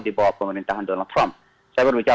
di bawah pemerintahan donald trump saya berbicara